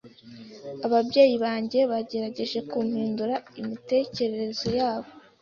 Ababyeyi banjye bagerageje kumpindura imitekerereze yabo.